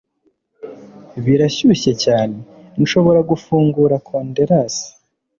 birashyushye cyane. nshobora gufungura konderasi